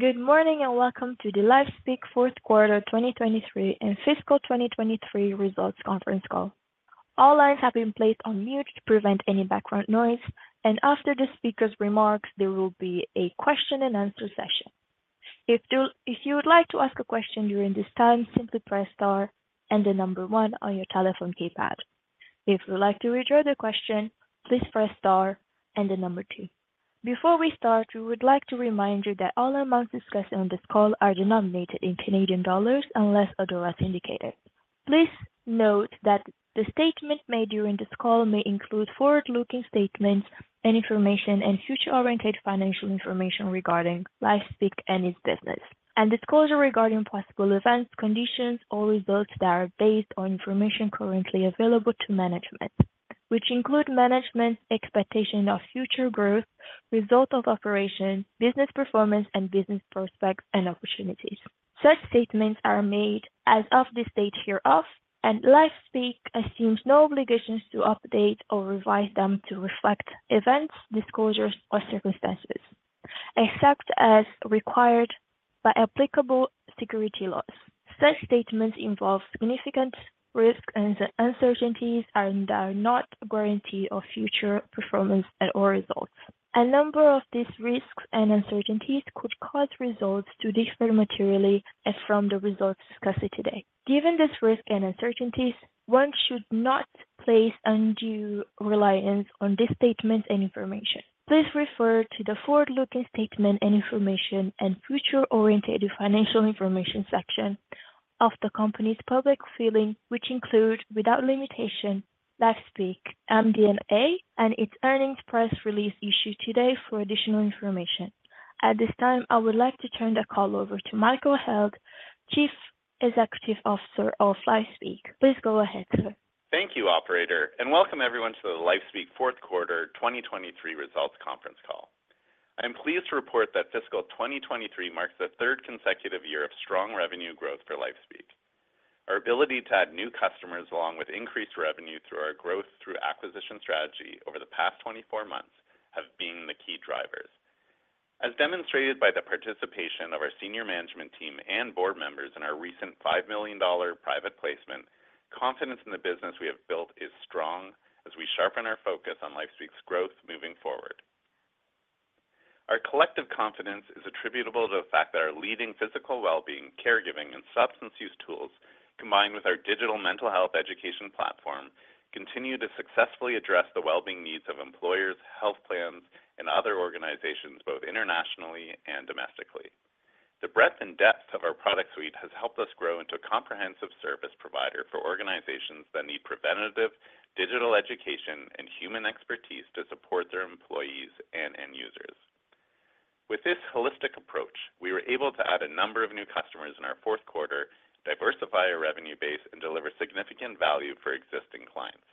Good morning and welcome to the LifeSpeak fourth quarter 2023 and fiscal 2023 results conference call. All lines have been placed on mute to prevent any background noise, and after the speaker's remarks, there will be a question-and-answer session. If you would like to ask a question during this time, simply press star and the number one on your telephone keypad. If you would like to read your question, please press star and the number two. Before we start, we would like to remind you that all amounts discussed on this call are denominated in Canadian dollars unless otherwise indicated. Please note that the statement made during this call may include forward-looking statements and information and future-oriented financial information regarding LifeSpeak and its business, and disclosure regarding possible events, conditions, or results that are based on information currently available to management, which include management's expectation of future growth, results of operations, business performance, and business prospects and opportunities. Such statements are made as of the date hereof, and LifeSpeak assumes no obligations to update or revise them to reflect events, disclosures, or circumstances, except as required by applicable securities laws. Such statements involve significant risks and uncertainties and are not a guarantee of future performance and/or results. A number of these risks and uncertainties could cause results to differ materially from the results discussed today. Given these risks and uncertainties, one should not place undue reliance on these statements and information. Please refer to the forward-looking statement and information and future-oriented financial information section of the company's public filings, which include, without limitation, LifeSpeak's MD&A, and its earnings press release issued today for additional information. At this time, I would like to turn the call over to Michael Held, Chief Executive Officer of LifeSpeak. Please go ahead, sir. Thank you, Operator, and welcome everyone to the LifeSpeak fourth quarter 2023 results conference call. I am pleased to report that fiscal 2023 marks the third consecutive year of strong revenue growth for LifeSpeak. Our ability to add new customers along with increased revenue through our growth through acquisition strategy over the past 24 months have been the key drivers. As demonstrated by the participation of our senior management team and board members in our recent 5 million dollar private placement, confidence in the business we have built is strong as we sharpen our focus on LifeSpeak's growth moving forward. Our collective confidence is attributable to the fact that our leading physical well-being, caregiving, and substance use tools, combined with our digital mental health education platform, continue to successfully address the well-being needs of employers, health plans, and other organizations both internationally and domestically. The breadth and depth of our product suite has helped us grow into a comprehensive service provider for organizations that need preventative digital education and human expertise to support their employees and end users. With this holistic approach, we were able to add a number of new customers in our fourth quarter, diversify our revenue base, and deliver significant value for existing clients.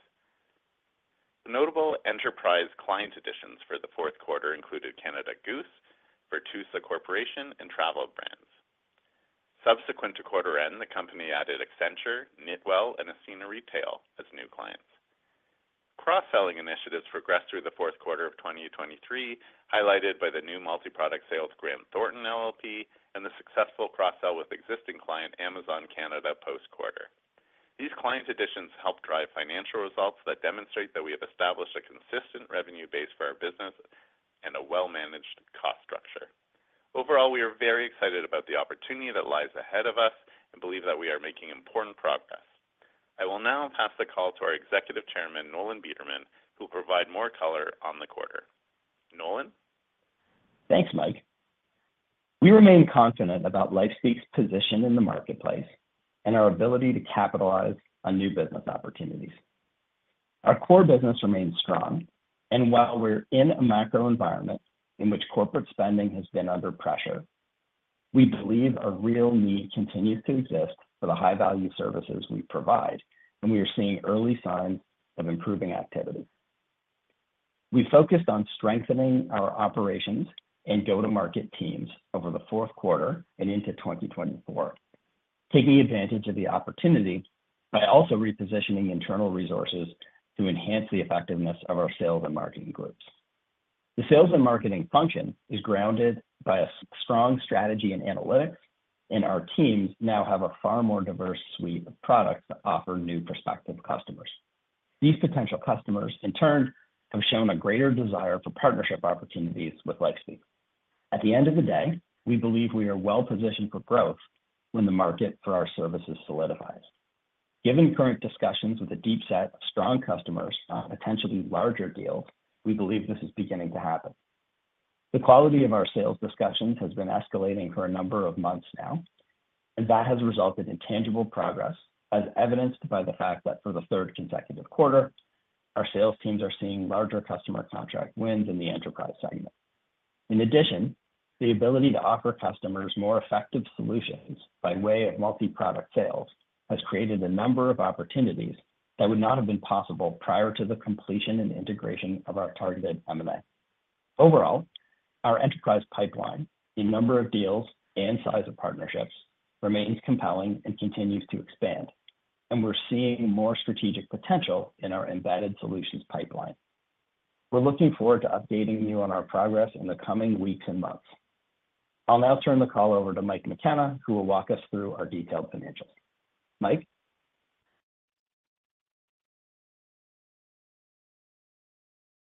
Notable enterprise client additions for the fourth quarter included Canada Goose, Virtusa Corporation, and TravelBrands. Subsequent to quarter end, the company added Accenture, KnitWell, and Ascena Retail as new clients. Cross-selling initiatives progressed through the fourth quarter of 2023, highlighted by the new multi-product sales Grant Thornton LLP, and the successful cross-sell with existing client, Amazon Canada, post-quarter. These client additions helped drive financial results that demonstrate that we have established a consistent revenue base for our business and a well-managed cost structure. Overall, we are very excited about the opportunity that lies ahead of us and believe that we are making important progress. I will now pass the call to our Executive Chairman, Nolan Bederman, who will provide more color on the quarter. Nolan? Thanks, Mike. We remain confident about LifeSpeak's position in the marketplace and our ability to capitalize on new business opportunities. Our core business remains strong, and while we're in a macro environment in which corporate spending has been under pressure, we believe a real need continues to exist for the high-value services we provide, and we are seeing early signs of improving activity. We focused on strengthening our operations and go-to-market teams over the fourth quarter and into 2024, taking advantage of the opportunity by also repositioning internal resources to enhance the effectiveness of our sales and marketing groups. The sales and marketing function is grounded by a strong strategy and analytics, and our teams now have a far more diverse suite of products to offer new prospective customers. These potential customers, in turn, have shown a greater desire for partnership opportunities with LifeSpeak. At the end of the day, we believe we are well-positioned for growth when the market for our services solidifies. Given current discussions with a deep set of strong customers on potentially larger deals, we believe this is beginning to happen. The quality of our sales discussions has been escalating for a number of months now, and that has resulted in tangible progress as evidenced by the fact that for the third consecutive quarter, our sales teams are seeing larger customer contract wins in the enterprise segment. In addition, the ability to offer customers more effective solutions by way of multi-product sales has created a number of opportunities that would not have been possible prior to the completion and integration of our targeted M&A. Overall, our enterprise pipeline, the number of deals and size of partnerships, remains compelling and continues to expand, and we're seeing more strategic potential in our embedded solutions pipeline. We're looking forward to updating you on our progress in the coming weeks and months. I'll now turn the call over to Mike McKenna, who will walk us through our detailed financials. Mike?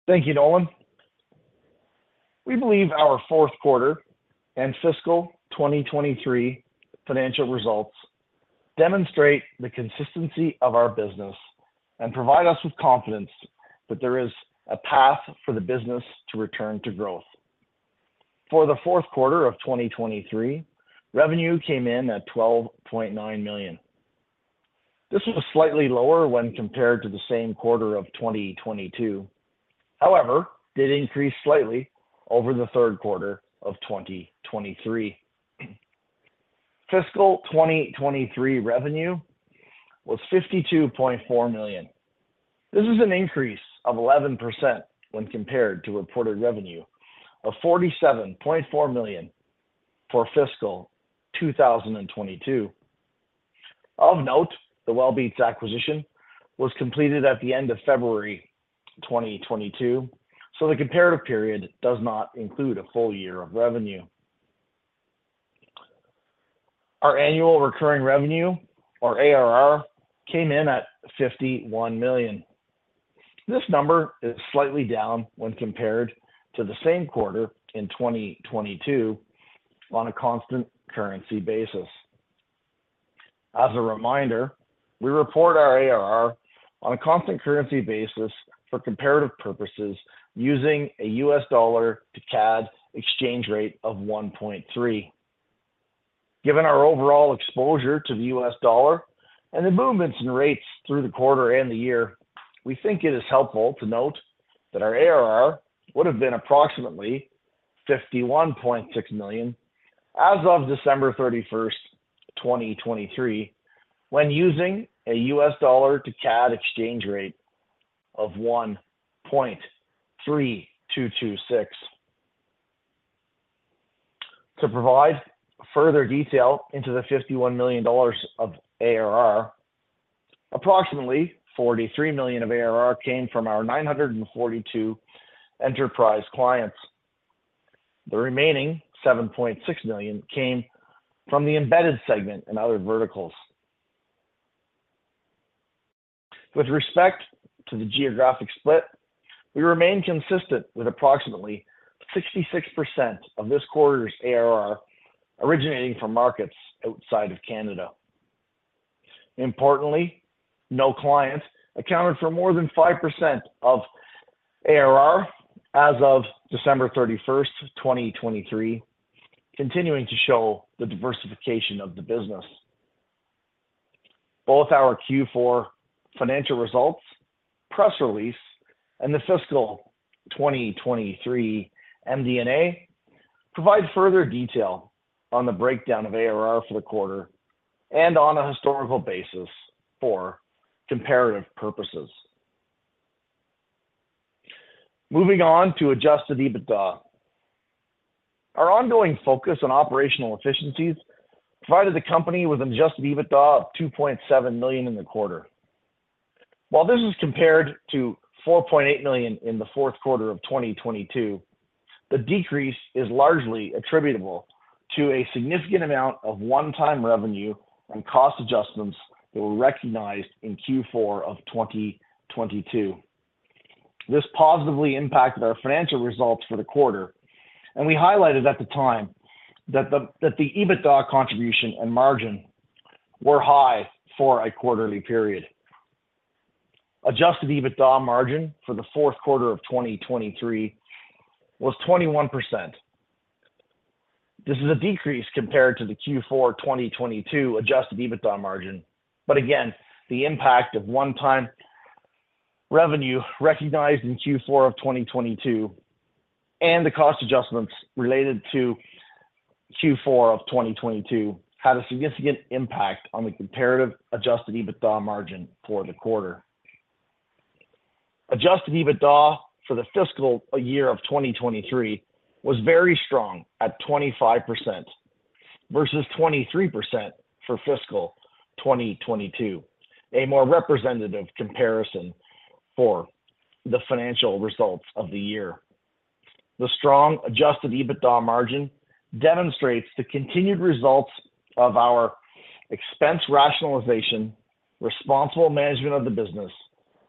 Thank you, Nolan. We believe our fourth quarter and fiscal 2023 financial results demonstrate the consistency of our business and provide us with confidence that there is a path for the business to return to growth. For the fourth quarter of 2023, revenue came in at 12.9 million. This was slightly lower when compared to the same quarter of 2022. However, it increased slightly over the third quarter of 2023. Fiscal 2023 revenue was 52.4 million. This is an increase of 11% when compared to reported revenue of 47.4 million for fiscal 2022. Of note, the Wellbeats acquisition was completed at the end of February 2022, so the comparative period does not include a full year of revenue. Our annual recurring revenue, or ARR, came in at 51 million. This number is slightly down when compared to the same quarter in 2022 on a constant currency basis. As a reminder, we report our ARR on a constant currency basis for comparative purposes using a US dollar to CAD exchange rate of 1.3. Given our overall exposure to the US dollar and the movements in rates through the quarter and the year, we think it is helpful to note that our ARR would have been approximately 51.6 million as of December 31st, 2023, when using a US dollar to CAD exchange rate of 1.3226. To provide further detail into the 51 million dollars of ARR, approximately 43 million of ARR came from our 942 enterprise clients. The remaining 7.6 million came from the embedded segment and other verticals. With respect to the geographic split, we remain consistent with approximately 66% of this quarter's ARR originating from markets outside of Canada. Importantly, no client accounted for more than 5% of ARR as of December 31st, 2023, continuing to show the diversification of the business. Both our Q4 financial results press release and the fiscal 2023 MD&A provide further detail on the breakdown of ARR for the quarter and on a historical basis for comparative purposes. Moving on to adjusted EBITDA. Our ongoing focus on operational efficiencies provided the company with an adjusted EBITDA of 2.7 million in the quarter. While this is compared to 4.8 million in the fourth quarter of 2022, the decrease is largely attributable to a significant amount of one-time revenue and cost adjustments that were recognized in Q4 of 2022. This positively impacted our financial results for the quarter, and we highlighted at the time that the EBITDA contribution and margin were high for a quarterly period. Adjusted EBITDA margin for the fourth quarter of 2023 was 21%. This is a decrease compared to the Q4 2022 adjusted EBITDA margin, but again, the impact of one-time revenue recognized in Q4 of 2022 and the cost adjustments related to Q4 of 2022 had a significant impact on the comparative adjusted EBITDA margin for the quarter. Adjusted EBITDA for the fiscal year of 2023 was very strong at 25% versus 23% for fiscal 2022, a more representative comparison for the financial results of the year. The strong adjusted EBITDA margin demonstrates the continued results of our expense rationalization, responsible management of the business,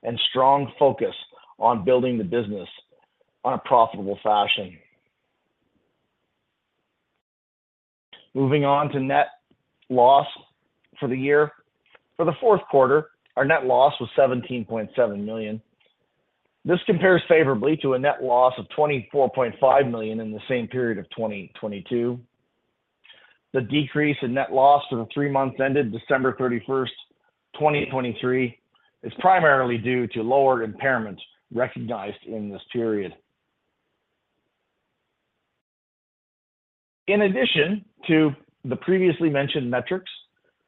and strong focus on building the business on a profitable fashion. Moving on to net loss for the year. For the fourth quarter, our net loss was 17.7 million. This compares favorably to a net loss of 24.5 million in the same period of 2022. The decrease in net loss for the three months ended December 31st, 2023, is primarily due to lower impairment recognized in this period. In addition to the previously mentioned metrics,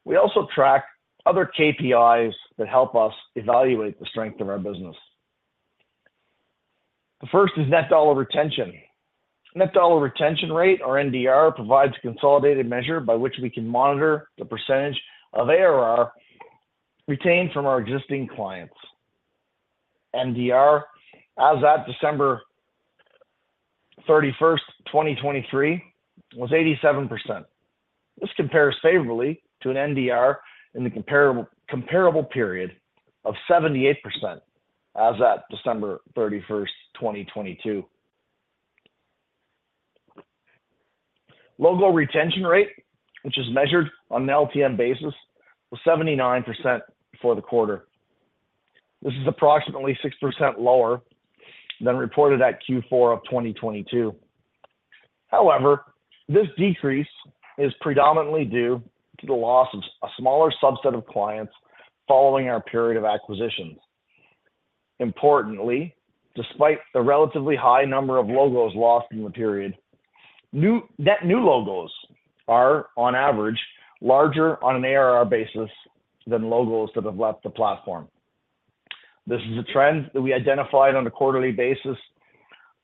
we also track other KPIs that help us evaluate the strength of our business. The first is net dollar retention. Net dollar retention rate, or NDR, provides a consolidated measure by which we can monitor the percentage of ARR retained from our existing clients. NDR, as at December 31st, 2023, was 87%. This compares favorably to an NDR in the comparable period of 78% as at December 31st, 2022. Local retention rate, which is measured on an LTM basis, was 79% for the quarter. This is approximately 6% lower than reported at Q4 of 2022. However, this decrease is predominantly due to the loss of a smaller subset of clients following our period of acquisitions. Importantly, despite the relatively high number of logos lost in the period, net new logos are, on average, larger on an ARR basis than logos that have left the platform. This is a trend that we identified on a quarterly basis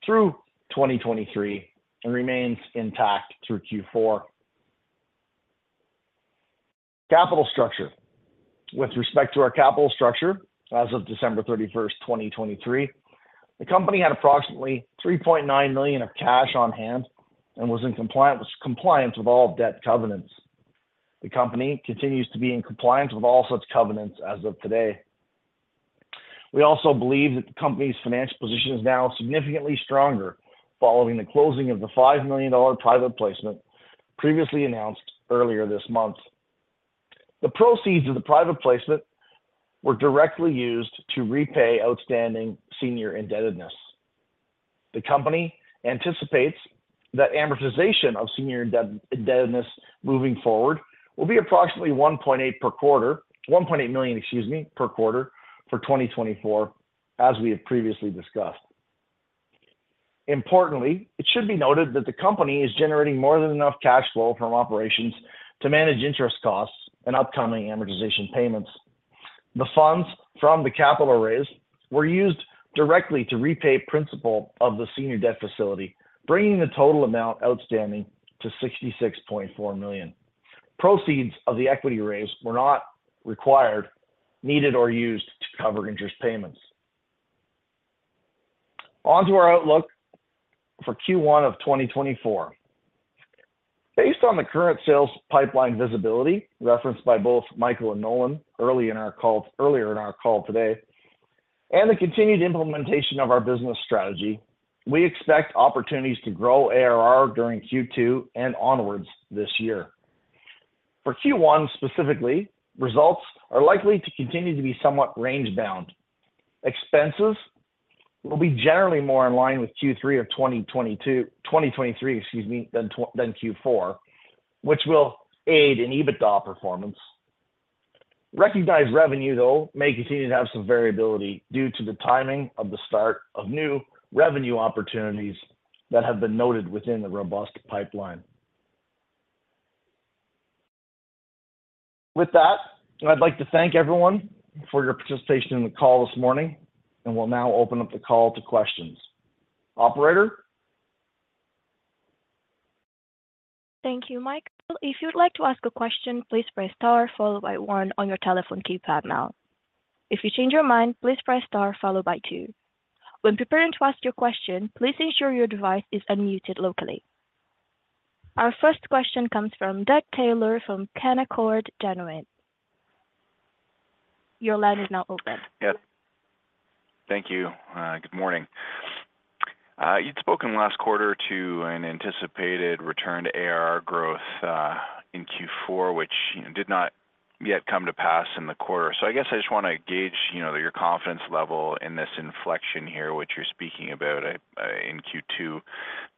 through 2023 and remains intact through Q4. Capital structure. With respect to our capital structure as of December 31st, 2023, the company had approximately 3.9 million of cash on hand and was in compliance with all debt covenants. The company continues to be in compliance with all such covenants as of today. We also believe that the company's financial position is now significantly stronger following the closing of the 5 million dollar private placement previously announced earlier this month. The proceeds of the private placement were directly used to repay outstanding senior indebtedness. The company anticipates that amortization of senior indebtedness moving forward will be approximately 1.8 million per quarter for 2024, as we have previously discussed. Importantly, it should be noted that the company is generating more than enough cash flow from operations to manage interest costs and upcoming amortization payments. The funds from the capital raise were used directly to repay principal of the senior debt facility, bringing the total amount outstanding to 66.4 million. Proceeds of the equity raise were not required, needed, or used to cover interest payments. Onto our outlook for Q1 of 2024. Based on the current sales pipeline visibility referenced by both Michael and Nolan earlier in our call today and the continued implementation of our business strategy, we expect opportunities to grow ARR during Q2 and onwards this year. For Q1 specifically, results are likely to continue to be somewhat range-bound. Expenses will be generally more in line with Q3 of 2023 than Q4, which will aid in EBITDA performance. Recognized revenue, though, may continue to have some variability due to the timing of the start of new revenue opportunities that have been noted within the robust pipeline. With that, I'd like to thank everyone for your participation in the call this morning, and we'll now open up the call to questions. Operator? Thank you, Mike. If you would like to ask a question, please press star followed by one on your telephone keypad now. If you change your mind, please press star followed by two. When preparing to ask your question, please ensure your device is unmuted locally. Our first question comes from Doug Taylor from Canaccord Genuity. Your line is now open. Yep. Thank you. Good morning. You'd spoken last quarter to an anticipated return to ARR growth in Q4, which did not yet come to pass in the quarter. So I guess I just want to gauge your confidence level in this inflection here, which you're speaking about in Q2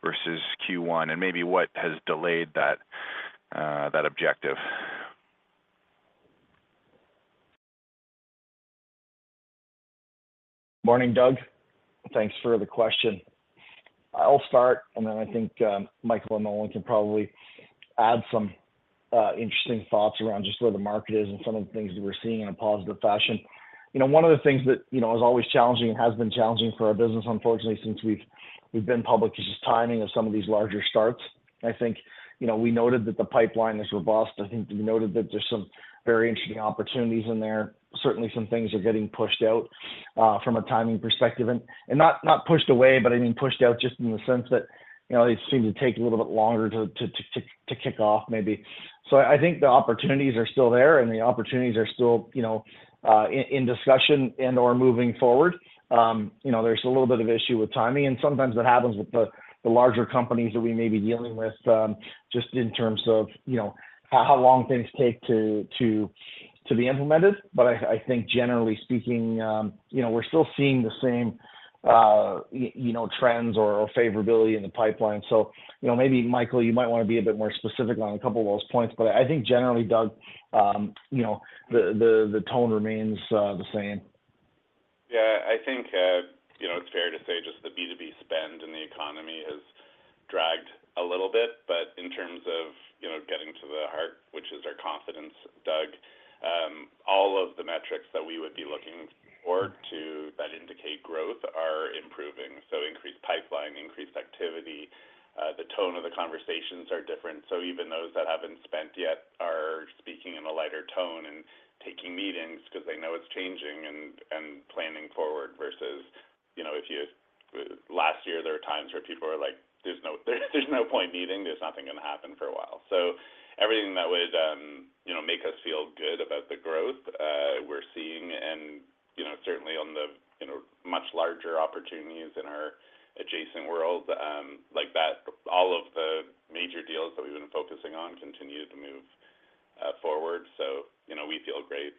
versus Q1, and maybe what has delayed that objective? Morning, Doug. Thanks for the question. I'll start, and then I think Michael and Nolan can probably add some interesting thoughts around just where the market is and some of the things that we're seeing in a positive fashion. One of the things that is always challenging and has been challenging for our business, unfortunately, since we've been public, is just timing of some of these larger starts. I think we noted that the pipeline is robust. I think we noted that there's some very interesting opportunities in there. Certainly, some things are getting pushed out from a timing perspective. And not pushed away, but I mean pushed out just in the sense that it seemed to take a little bit longer to kick off, maybe. So I think the opportunities are still there, and the opportunities are still in discussion and/or moving forward. There's a little bit of issue with timing, and sometimes that happens with the larger companies that we may be dealing with just in terms of how long things take to be implemented. But I think, generally speaking, we're still seeing the same trends or favorability in the pipeline. So maybe, Michael, you might want to be a bit more specific on a couple of those points, but I think generally, Doug, the tone remains the same. Yeah. I think it's fair to say just the B2B spend in the economy has dragged a little bit. But in terms of getting to the heart, which is our confidence, Doug, all of the metrics that we would be looking for that indicate growth are improving. So increased pipeline, increased activity. The tone of the conversations are different. So even those that haven't spent yet are speaking in a lighter tone and taking meetings because they know it's changing and planning forward versus if you last year, there were times where people were like, "There's no point meeting. There's nothing going to happen for a while." So everything that would make us feel good about the growth we're seeing, and certainly on the much larger opportunities in our adjacent world, all of the major deals that we've been focusing on continue to move forward. So we feel great.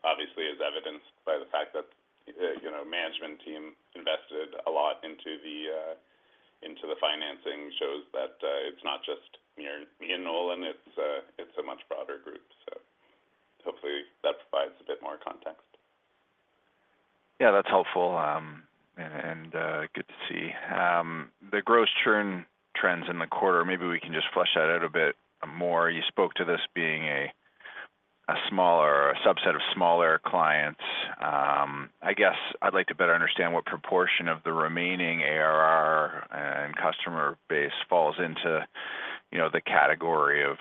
Obviously, as evidenced by the fact that the management team invested a lot into the financing, shows that it's not just me and Nolan. It's a much broader group. Hopefully, that provides a bit more context. Yeah. That's helpful and good to see. The gross churn trends in the quarter, maybe we can just flesh that out a bit more. You spoke to this being a subset of smaller clients. I guess I'd like to better understand what proportion of the remaining ARR and customer base falls into the category of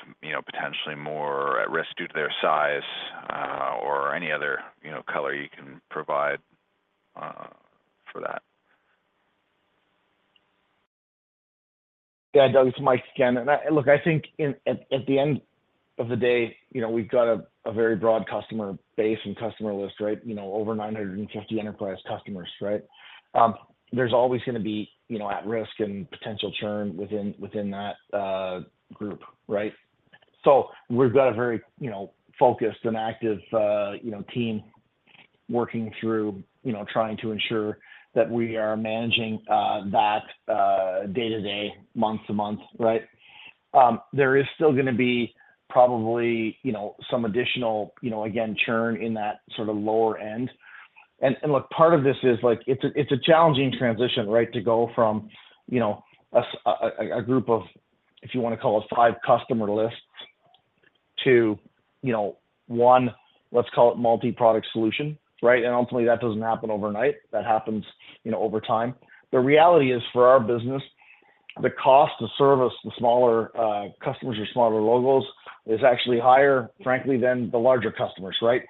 potentially more at risk due to their size or any other color you can provide for that. Yeah, Doug. This is Mike McKenna. And look, I think at the end of the day, we've got a very broad customer base and customer list, right? Over 950 enterprise customers, right? There's always going to be at risk and potential churn within that group, right? So we've got a very focused and active team working through trying to ensure that we are managing that day-to-day, month-to-month, right? There is still going to be probably some additional, again, churn in that sort of lower end. And look, part of this is it's a challenging transition, right, to go from a group of, if you want to call it, five customer lists to one, let's call it, multi-product solution, right? And ultimately, that doesn't happen overnight. That happens over time. The reality is for our business, the cost to service the smaller customers or smaller logos is actually higher, frankly, than the larger customers, right?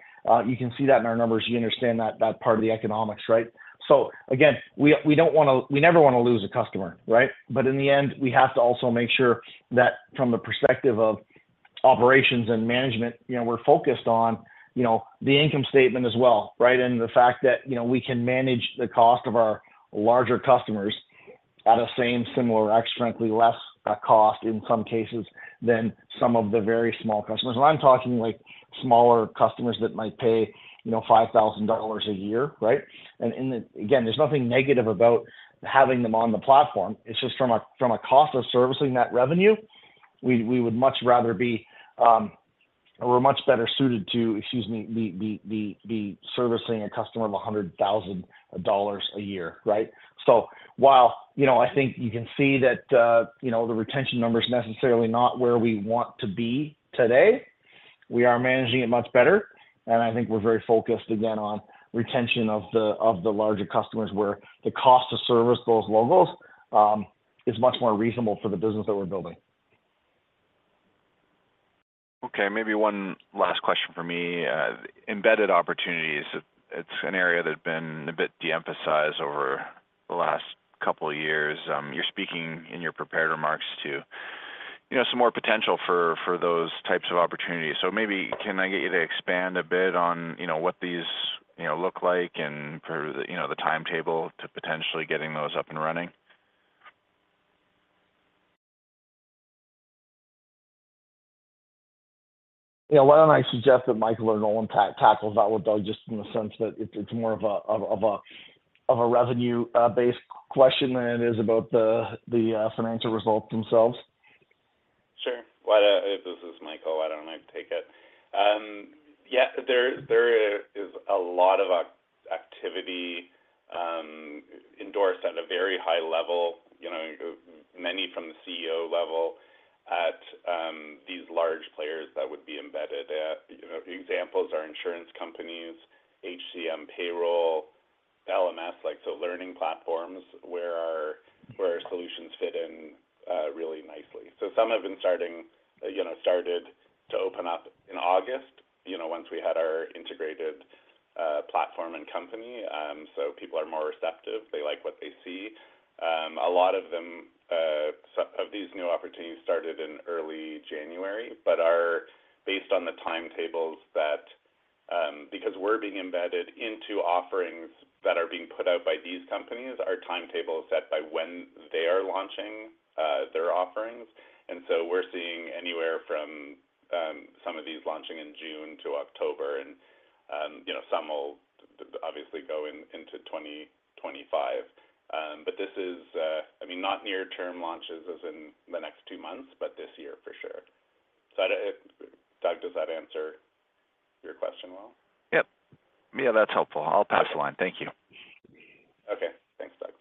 You can see that in our numbers. You understand that part of the economics, right? So again, we never want to lose a customer, right? But in the end, we have to also make sure that from the perspective of operations and management, we're focused on the income statement as well, right? And the fact that we can manage the cost of our larger customers at a same, similar, actually, frankly, less cost in some cases than some of the very small customers. And I'm talking smaller customers that might pay 5,000 dollars a year, right? And again, there's nothing negative about having them on the platform. It's just from a cost of servicing that revenue, we would much rather be, we're much better suited to, excuse me, be servicing a customer of 100,000 dollars a year, right? So while I think you can see that the retention number is necessarily not where we want to be today, we are managing it much better. And I think we're very focused, again, on retention of the larger customers where the cost to service those logos is much more reasonable for the business that we're building. Okay. Maybe one last question for me. Embedded opportunities, it's an area that's been a bit de-emphasized over the last couple of years. You're speaking in your prepared remarks to some more potential for those types of opportunities. So maybe can I get you to expand a bit on what these look like and the timetable to potentially getting those up and running? Why don't I suggest that Michael or Nolan tackles that with Doug just in the sense that it's more of a revenue-based question than it is about the financial results themselves? Sure. Why don't if this is Michael, why don't I take it? Yeah. There is a lot of activity endorsed at a very high level, many from the CEO level, at these large players that would be embedded. Examples are insurance companies, HCM Payroll, LMS, so learning platforms where our solutions fit in really nicely. So some have been started to open up in August once we had our integrated platform and company. So people are more receptive. They like what they see. A lot of them of these new opportunities started in early January, but are based on the timetables that because we're being embedded into offerings that are being put out by these companies, our timetable is set by when they are launching their offerings. And so we're seeing anywhere from some of these launching in June to October, and some will obviously go into 2025. But this is, I mean, not near-term launches as in the next two months, but this year for sure. Doug, does that answer your question well? Yep. Yeah. That's helpful. I'll pass the line. Thank you. Okay. Thanks, Doug.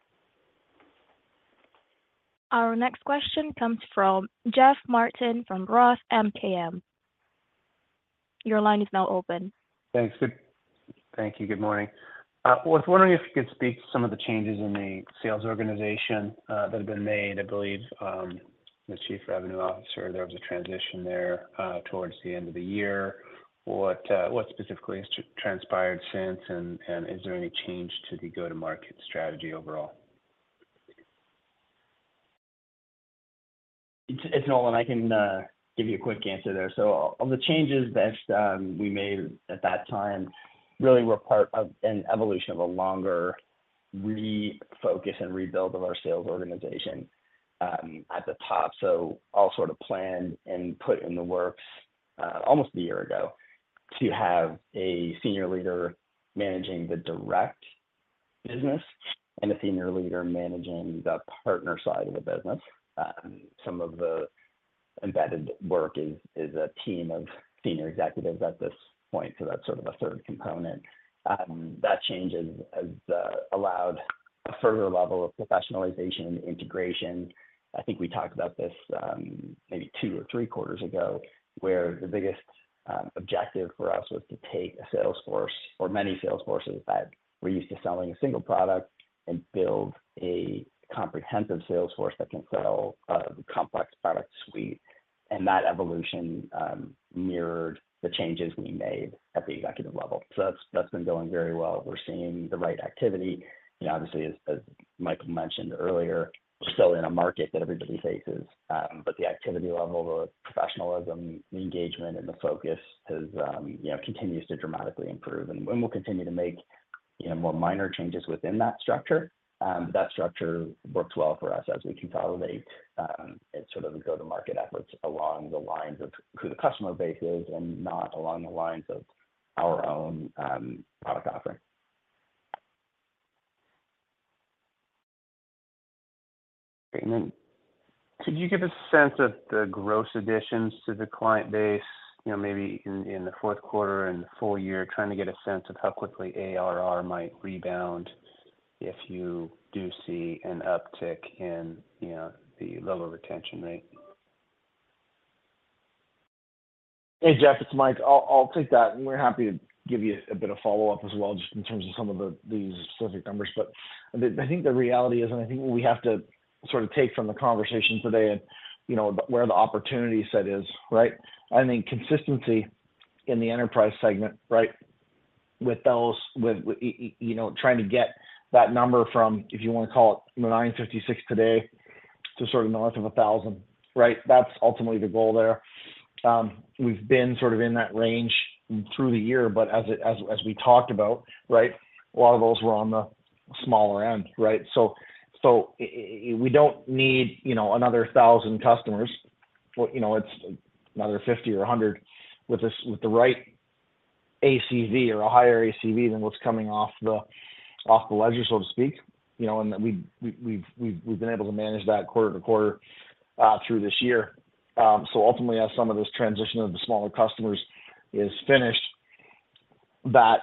Our next question comes from Jeff Martin from Roth MKM. Your line is now open. Thanks. Thank you. Good morning. I was wondering if you could speak to some of the changes in the sales organization that have been made. I believe the chief revenue officer, there was a transition there towards the end of the year. What specifically has transpired since, and is there any change to the go-to-market strategy overall? It's Nolan. I can give you a quick answer there. So of the changes that we made at that time, really, were part of an evolution of a longer refocus and rebuild of our sales organization at the top. So all sort of planned and put in the works almost a year ago to have a senior leader managing the direct business and a senior leader managing the partner side of the business. Some of the embedded work is a team of senior executives at this point. So that's sort of a third component. That change has allowed a further level of professionalization and integration. I think we talked about this maybe two or three quarters ago where the biggest objective for us was to take a sales force or many sales forces that were used to selling a single product and build a comprehensive sales force that can sell a complex product suite. That evolution mirrored the changes we made at the executive level. So that's been going very well. We're seeing the right activity. Obviously, as Michael mentioned earlier, we're still in a market that everybody faces, but the activity level, the professionalism, the engagement, and the focus continues to dramatically improve. We'll continue to make more minor changes within that structure. But that structure works well for us as we consolidate sort of the go-to-market efforts along the lines of who the customer base is and not along the lines of our own product offering. Great. And then could you give us a sense of the gross additions to the client base, maybe in the fourth quarter and full year, trying to get a sense of how quickly ARR might rebound if you do see an uptick in the lower retention rate? Hey, Jeff. It's Mike. I'll take that. And we're happy to give you a bit of follow-up as well just in terms of some of these specific numbers. But I think the reality is, and I think what we have to sort of take from the conversation today and where the opportunity set is, right. I think consistency in the enterprise segment, right, with trying to get that number from, if you want to call it, 956 today to sort of north of 1,000, right, that's ultimately the goal there. We've been sort of in that range through the year. But as we talked about, right, a lot of those were on the smaller end, right? So we don't need another 1,000 customers. It's another 50 or 100 with the right ACV or a higher ACV than what's coming off the ledger, so to speak. We've been able to manage that quarter to quarter through this year. So ultimately, as some of this transition of the smaller customers is finished, that's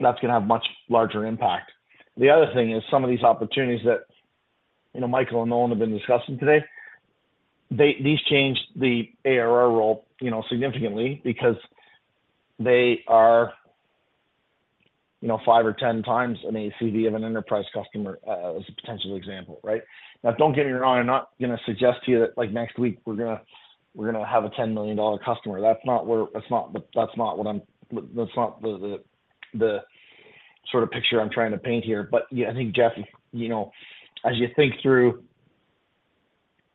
going to have much larger impact. The other thing is some of these opportunities that Michael and Nolan have been discussing today, these changed the ARR role significantly because they are 5 or 10 times an ACV of an enterprise customer as a potential example, right? Now, don't get me wrong. I'm not going to suggest to you that next week, we're going to have a 10 million dollar customer. That's not the sort of picture I'm trying to paint here. But I think, Jeff, as you think through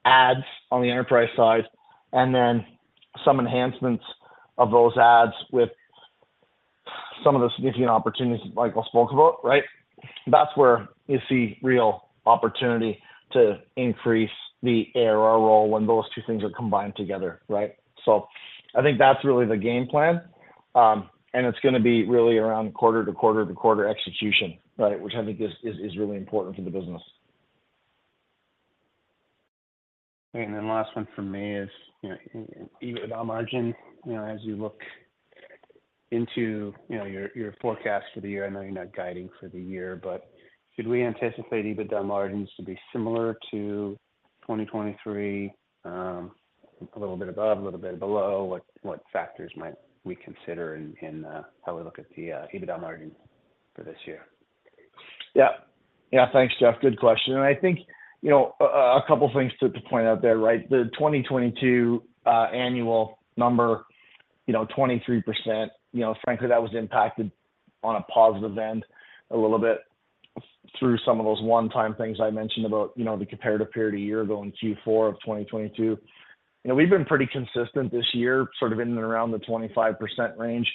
ACVs on the enterprise side and then some enhancements of those ACVs with some of the significant opportunities that Michael spoke about, right, that's where you see real opportunity to increase the ARR growth when those two things are combined together, right? So I think that's really the game plan. And it's going to be really around quarter to quarter to quarter execution, right, which I think is really important for the business. Great. And then last one from me is EBITDA margin. As you look into your forecast for the year, I know you're not guiding for the year, but should we anticipate EBITDA margins to be similar to 2023, a little bit above, a little bit below, what factors might we consider in how we look at the EBITDA margin for this year? Yeah. Yeah. Thanks, Jeff. Good question. And I think a couple of things to point out there, right? The 2022 annual number, 23%, frankly, that was impacted on a positive end a little bit through some of those one-time things I mentioned about the comparative period a year ago in Q4 of 2022. We've been pretty consistent this year, sort of in and around the 25% range,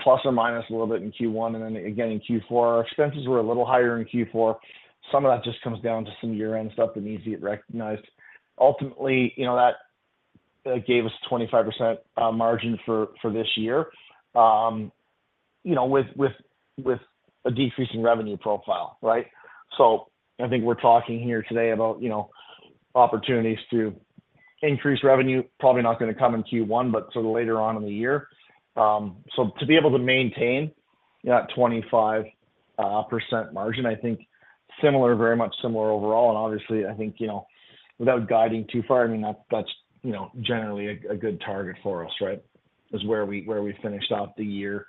plus or minus a little bit in Q1. And then, in Q4, our expenses were a little higher in Q4. Some of that just comes down to some year-end stuff that needs to get recognized. Ultimately, that gave us a 25% margin for this year with a decreasing revenue profile, right? So I think we're talking here today about opportunities to increase revenue, probably not going to come in Q1, but sort of later on in the year. To be able to maintain that 25% margin, I think very much similar overall. Obviously, I think without guiding too far, I mean, that's generally a good target for us, right, is where we finished off the year.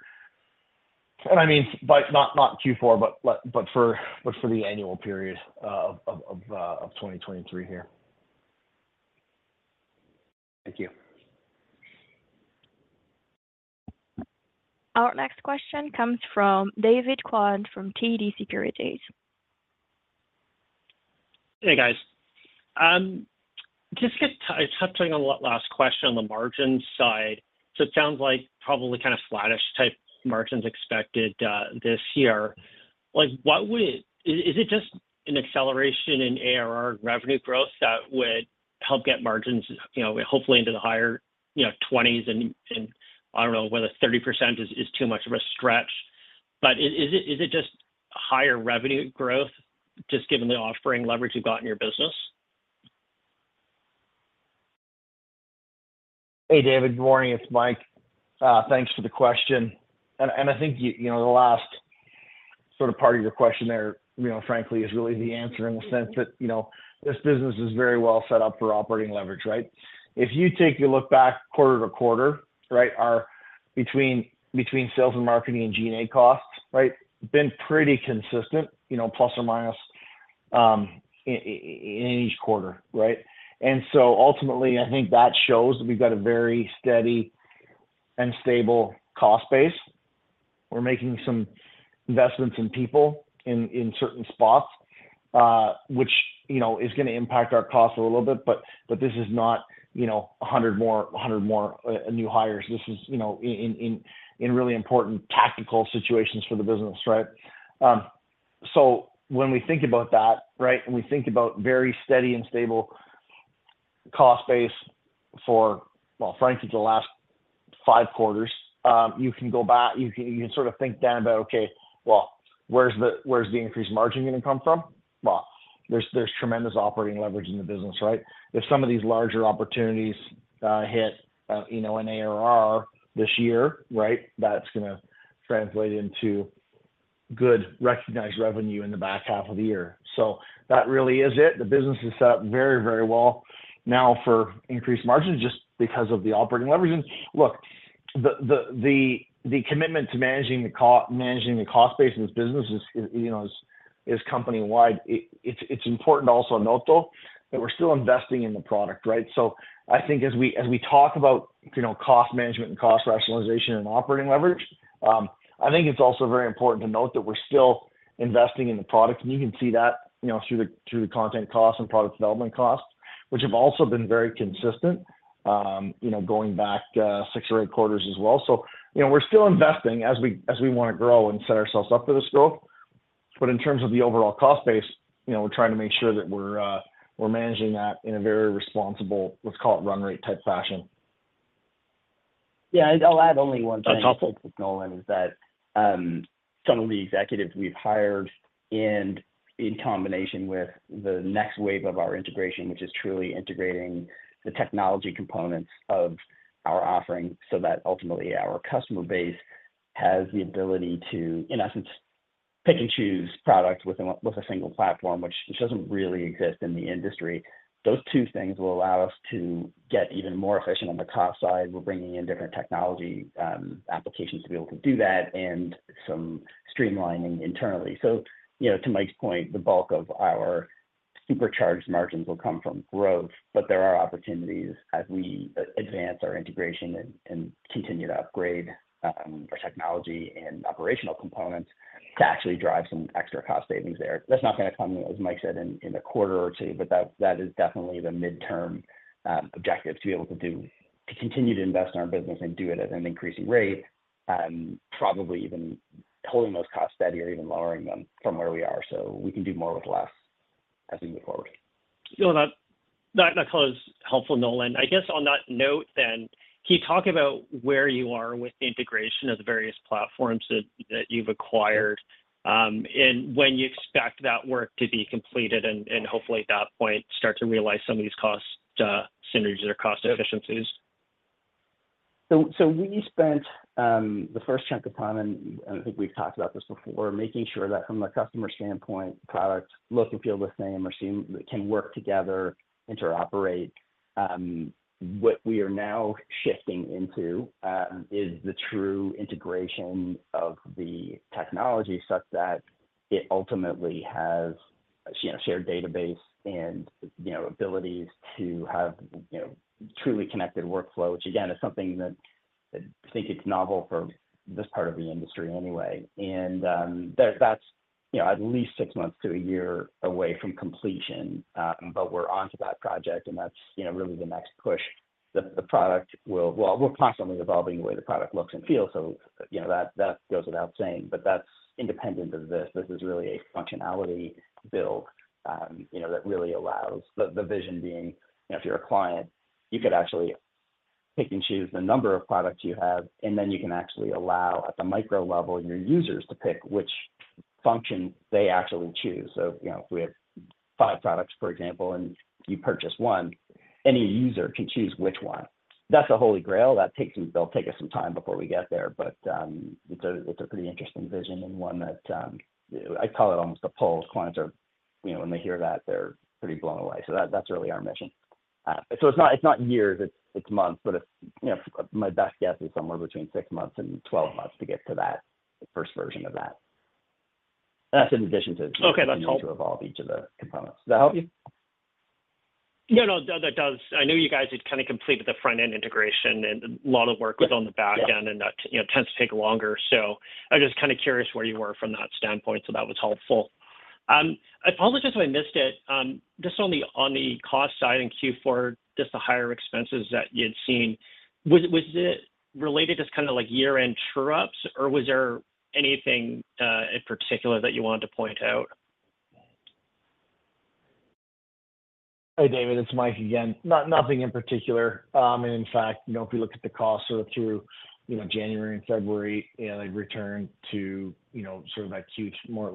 I mean, not Q4, but for the annual period of 2023 here. Thank you. Our next question comes from David Kwan from TD Securities. Hey, guys. Just touching on that last question on the margin side. So it sounds like probably kind of flat-ish type margins expected this year. Is it just an acceleration in ARR and revenue growth that would help get margins, hopefully, into the higher 20s? And I don't know whether 30% is too much of a stretch. But is it just higher revenue growth just given the offering leverage you've got in your business? Hey, David. Good morning. It's Mike. Thanks for the question. I think the last sort of part of your question there, frankly, is really the answer in the sense that this business is very well set up for operating leverage, right? If you take a look back quarter to quarter, right, between sales and marketing and G&A costs, right, been pretty consistent, plus or minus, in each quarter, right? So ultimately, I think that shows that we've got a very steady and stable cost base. We're making some investments in people in certain spots, which is going to impact our cost a little bit. But this is not 100 more new hires. This is in really important tactical situations for the business, right? So when we think about that, right, and we think about very steady and stable cost base for, well, frankly, the last five quarters, you can go back. You can sort of think down about, "Okay. Well, where's the increased margin going to come from?" Well, there's tremendous operating leverage in the business, right? If some of these larger opportunities hit an ARR this year, right, that's going to translate into good recognized revenue in the back half of the year. So that really is it. The business is set up very, very well now for increased margins just because of the operating leverage. And look, the commitment to managing the cost base in this business is company-wide. It's important to also note though that we're still investing in the product, right? So I think as we talk about cost management and cost rationalization and operating leverage, I think it's also very important to note that we're still investing in the product. And you can see that through the content costs and product development costs, which have also been very consistent going back 6 or 8 quarters as well. So we're still investing as we want to grow and set ourselves up for this growth. But in terms of the overall cost base, we're trying to make sure that we're managing that in a very responsible, let's call it, run-rate type fashion. Yeah. I'll add only one thing to Nolan is that some of the executives we've hired in combination with the next wave of our integration, which is truly integrating the technology components of our offering so that ultimately our customer base has the ability to, in essence, pick and choose products with a single platform, which doesn't really exist in the industry. Those two things will allow us to get even more efficient on the cost side. We're bringing in different technology applications to be able to do that and some streamlining internally. So to Mike's point, the bulk of our supercharged margins will come from growth. But there are opportunities as we advance our integration and continue to upgrade our technology and operational components to actually drive some extra cost savings there. That's not going to come, as Mike said, in a quarter or two, but that is definitely the midterm objective to be able to continue to invest in our business and do it at an increasing rate, probably even holding those costs steady or even lowering them from where we are. So we can do more with less as we move forward. No, that call is helpful, Nolan. I guess on that note then, keep talking about where you are with the integration of the various platforms that you've acquired and when you expect that work to be completed and hopefully at that point start to realize some of these cost synergies or cost efficiencies. So we spent the first chunk of time, and I think we've talked about this before, making sure that from the customer standpoint, products look and feel the same or can work together, interoperate. What we are now shifting into is the true integration of the technology such that it ultimately has a shared database and abilities to have truly connected workflow, which again is something that I think it's novel for this part of the industry anyway. And that's at least six months to a year away from completion. But we're onto that project. And that's really the next push. The product will, well, we're constantly evolving the way the product looks and feels. So that goes without saying. But that's independent of this. This is really a functionality build that really allows the vision being if you're a client, you could actually pick and choose the number of products you have. And then you can actually allow at the micro level, your users to pick which function they actually choose. So if we have five products, for example, and you purchase one, any user can choose which one. That's a holy grail. That'll take us some time before we get there. But it's a pretty interesting vision and one that I call it almost a poll. Clients, when they hear that, they're pretty blown away. So that's really our mission. So it's not years. It's months. But my best guess is somewhere between six-12 months to get to that first version of that. And that's in addition to continuing to evolve each of the components. Does that help you? No, no. That does. I knew you guys had kind of completed the front-end integration. And a lot of work was on the back end. And that tends to take longer. So I was just kind of curious where you were from that standpoint. So that was helpful. I apologize if I missed it. Just on the cost side in Q4, just the higher expenses that you had seen, was it related to kind of like year-end true-ups? Or was there anything in particular that you wanted to point out? Hey, David. It's Mike again. Nothing in particular. And in fact, if we look at the cost sort of through January and February, they've returned to sort of that Q3, more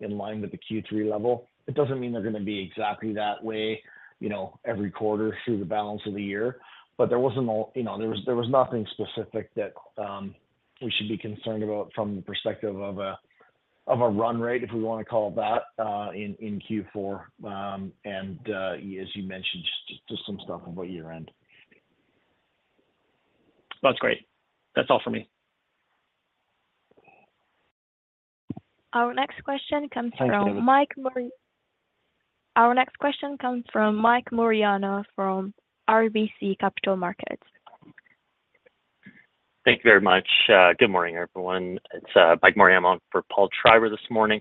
in line with the Q3 level. It doesn't mean they're going to be exactly that way every quarter through the balance of the year. But there was nothing specific that we should be concerned about from the perspective of a run rate, if we want to call it that, in Q4. And as you mentioned, just some stuff about year-end. That's great. That's all for me. Our next question comes from Mike Muriano from RBC Capital Markets. Thank you very much. Good morning, everyone. It's Mike Muriano. I'm on for Paul Treiber this morning.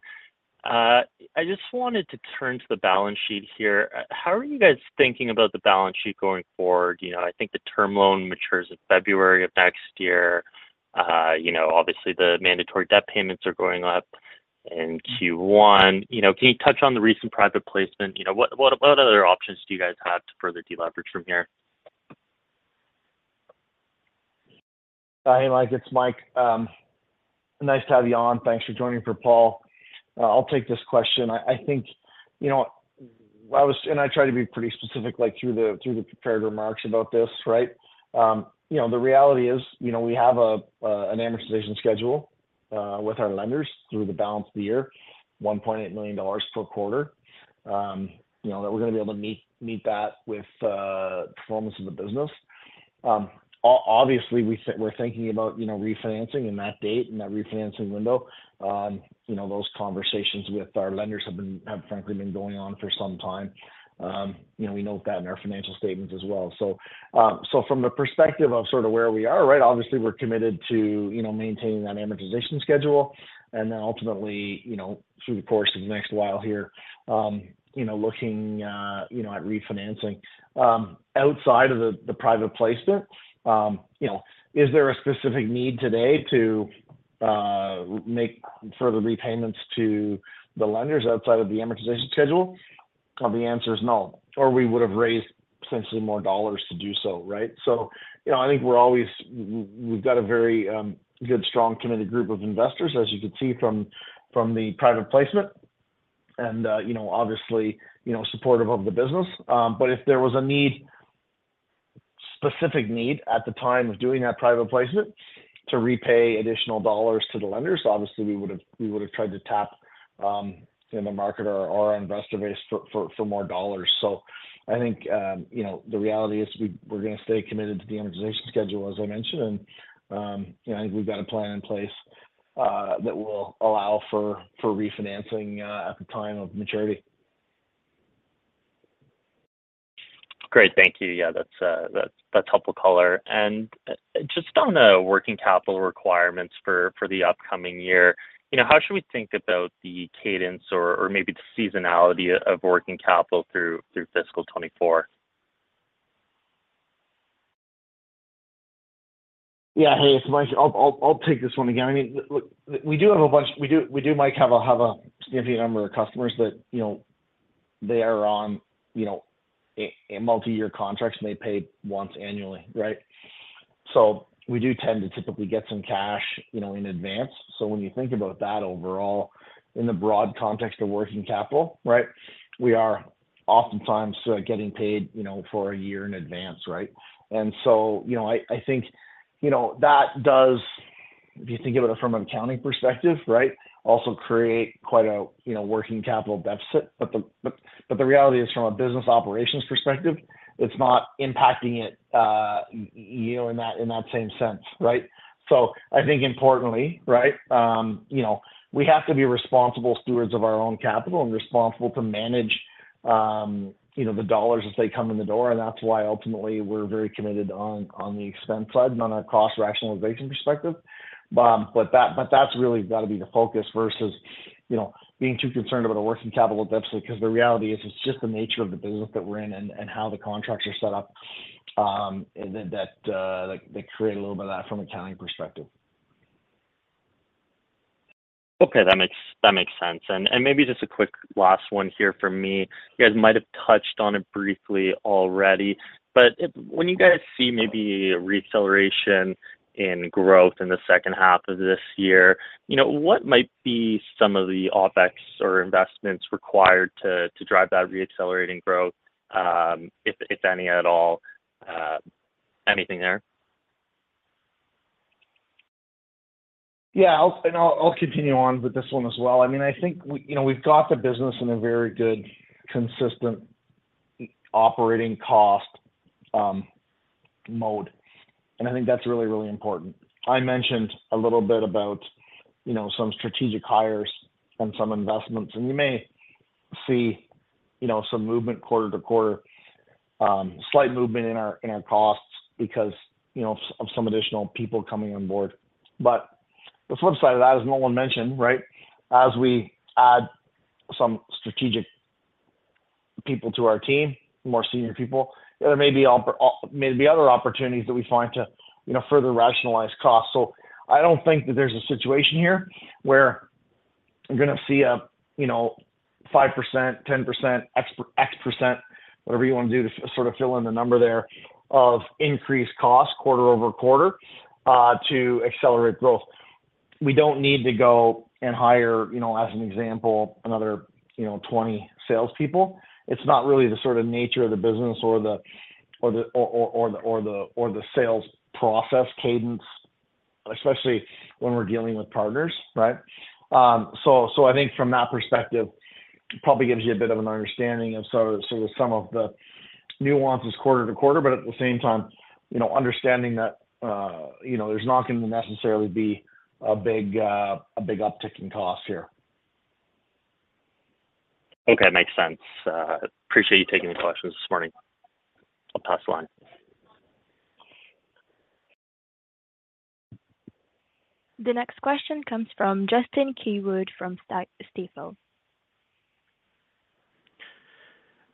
I just wanted to turn to the balance sheet here. How are you guys thinking about the balance sheet going forward? I think the term loan matures in February of next year. Obviously, the mandatory debt payments are going up in Q1. Can you touch on the recent private placement? What other options do you guys have to further deleverage from here? Hey, Mike. It's Mike. Nice to have you on. Thanks for joining for Paul. I'll take this question. I think I was and I tried to be pretty specific through the prepared remarks about this, right? The reality is we have an amortization schedule with our lenders through the balance of the year, 1.8 million dollars per quarter, that we're going to be able to meet that with performance of the business. Obviously, we're thinking about refinancing in that date and that refinancing window. Those conversations with our lenders have, frankly, been going on for some time. We note that in our financial statements as well. So from the perspective of sort of where we are, right, obviously, we're committed to maintaining that amortization schedule. And then ultimately, through the course of the next while here, looking at refinancing outside of the private placement, is there a specific need today to make further repayments to the lenders outside of the amortization schedule? The answer is no. Or we would have raised essentially more dollars to do so, right? So I think we've got a very good, strong committed group of investors, as you can see from the private placement, and obviously, supportive of the business. But if there was a need, specific need at the time of doing that private placement to repay additional dollars to the lenders, obviously, we would have tried to tap in the market or our investor base for more dollars. So I think the reality is we're going to stay committed to the amortization schedule, as I mentioned. I think we've got a plan in place that will allow for refinancing at the time of maturity. Great. Thank you. Yeah, that's helpful color. And just on the working capital requirements for the upcoming year, how should we think about the cadence or maybe the seasonality of working capital through fiscal 2024? Yeah. Hey, it's Mike. I'll take this one again. I mean, look, we do have a bunch we do, Mike, have a significant number of customers that they are on multi-year contracts, and they pay once annually, right? So we do tend to typically get some cash in advance. So when you think about that overall, in the broad context of working capital, right, we are oftentimes getting paid for a year in advance, right? And so I think that does, if you think of it from an accounting perspective, right, also create quite a working capital deficit. But the reality is, from a business operations perspective, it's not impacting it in that same sense, right? So I think, importantly, right, we have to be responsible stewards of our own capital and responsible to manage the dollars as they come in the door. That's why, ultimately, we're very committed on the expense side and on our cost rationalization perspective. That's really got to be the focus versus being too concerned about a working capital deficit because the reality is it's just the nature of the business that we're in and how the contracts are set up that create a little bit of that from an accounting perspective. Okay. That makes sense. And maybe just a quick last one here for me. You guys might have touched on it briefly already. But when you guys see maybe a reacceleration in growth in the second half of this year, what might be some of the OpEx or investments required to drive that reaccelerating growth, if any at all? Anything there? Yeah. And I'll continue on with this one as well. I mean, I think we've got the business in a very good, consistent operating cost mode. And I think that's really, really important. I mentioned a little bit about some strategic hires and some investments. And you may see some movement quarter to quarter, slight movement in our costs because of some additional people coming on board. But the flip side of that, as Nolan mentioned, right, as we add some strategic people to our team, more senior people, there may be other opportunities that we find to further rationalize costs. So I don't think that there's a situation here where you're going to see a 5%, 10%, X%, whatever you want to do to sort of fill in the number there of increased costs quarter over quarter to accelerate growth. We don't need to go and hire, as an example, another 20 salespeople. It's not really the sort of nature of the business or the sales process cadence, especially when we're dealing with partners, right? So I think from that perspective, it probably gives you a bit of an understanding of sort of some of the nuances quarter to quarter. But at the same time, understanding that there's not going to necessarily be a big uptick in costs here. Okay. Makes sense. Appreciate you taking the questions this morning. I'll pass the line. The next question comes from Justin Keywood from Stifel.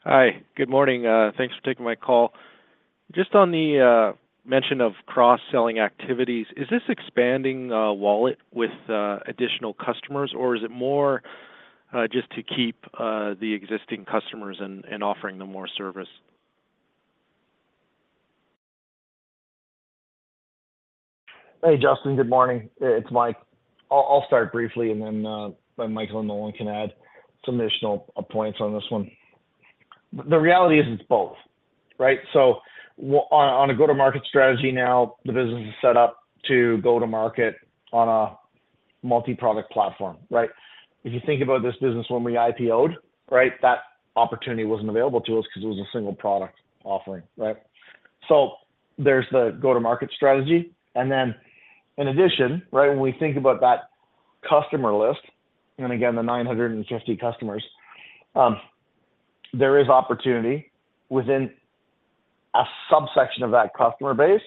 Hi. Good morning. Thanks for taking my call. Just on the mention of cross-selling activities, is this expanding wallet with additional customers? Or is it more just to keep the existing customers and offering them more service? Hey, Justin. Good morning. It's Mike. I'll start briefly, and then Mike and Nolan can add some additional points on this one. The reality is it's both, right? So on a go-to-market strategy now, the business is set up to go to market on a multi-product platform, right? If you think about this business when we IPOed, right, that opportunity wasn't available to us because it was a single product offering, right? So there's the go-to-market strategy. And then in addition, right, when we think about that customer list, and again, the 950 customers, there is opportunity within a subsection of that customer base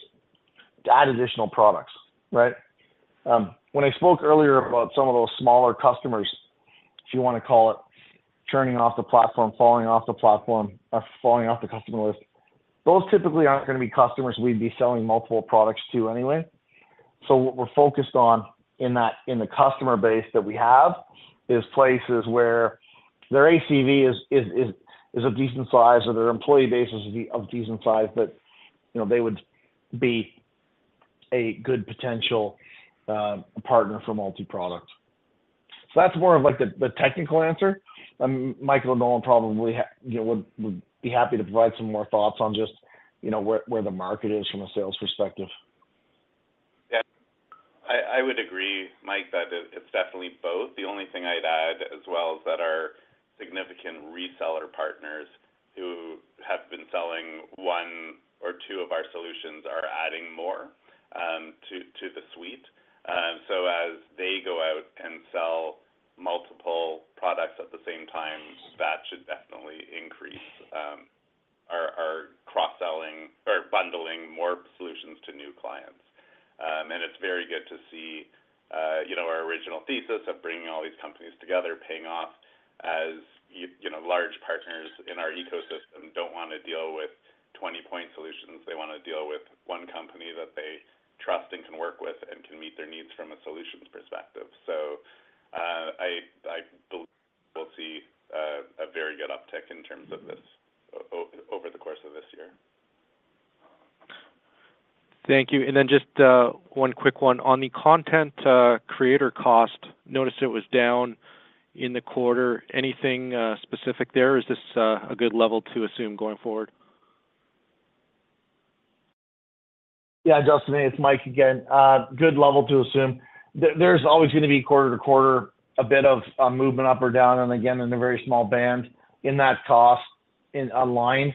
to add additional products, right? When I spoke earlier about some of those smaller customers, if you want to call it, turning off the platform, falling off the platform, or falling off the customer list, those typically aren't going to be customers we'd be selling multiple products to anyway. So what we're focused on in the customer base that we have is places where their ACV is of decent size or their employee base is of decent size that they would be a good potential partner for multi-product. So that's more of the technical answer. Michael and Nolan probably would be happy to provide some more thoughts on just where the market is from a sales perspective. Yeah. I would agree, Mike, that it's definitely both. The only thing I'd add as well is that our significant reseller partners who have been selling one or two of our solutions are adding more to the suite. So as they go out and sell multiple products at the same time, that should definitely increase our cross-selling or bundling more solutions to new clients. And it's very good to see our original thesis of bringing all these companies together, paying off, as large partners in our ecosystem don't want to deal with 20-point solutions. They want to deal with one company that they trust and can work with and can meet their needs from a solutions perspective. So I believe we'll see a very good uptick in terms of this over the course of this year. Thank you. And then just one quick one. On the content creator cost, noticed it was down in the quarter. Anything specific there? Is this a good level to assume going forward? Yeah, Justin. It's Mike again. Good level to assume. There's always going to be quarter-to-quarter a bit of movement up or down, and again, in a very small band in that cost aligned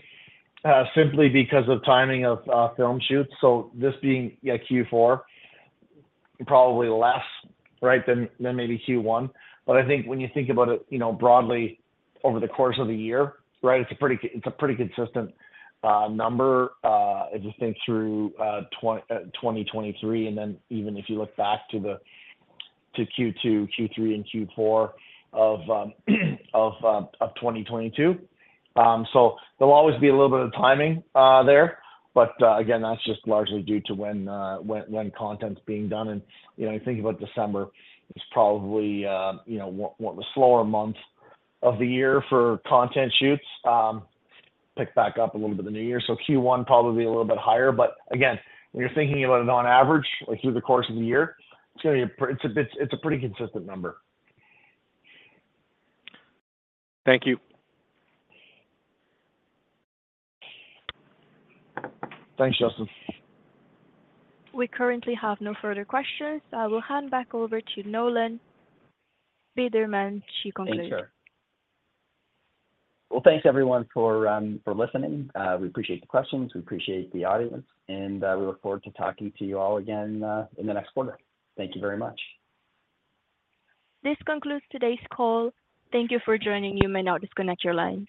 simply because of timing of film shoots. So this being Q4, probably less, right, than maybe Q1. But I think when you think about it broadly over the course of the year, right, it's a pretty consistent number. If you think through 2023, and then even if you look back to Q2, Q3, and Q4 of 2022. So there'll always be a little bit of timing there. But again, that's just largely due to when content's being done. And if you think about December, it's probably one of the slower months of the year for content shoots. Pick back up a little bit in the new year. So Q1, probably a little bit higher. But again, when you're thinking about it on average through the course of the year, it's going to be a pretty consistent number. Thank you. Thanks, Justin. We currently have no further questions. I will hand back over to Nolan Bederman. She concludes. Thanks, sir. Well, thanks, everyone, for listening. We appreciate the questions. We appreciate the audience. We look forward to talking to you all again in the next quarter. Thank you very much. This concludes today's call. Thank you for joining. You may now disconnect your lines.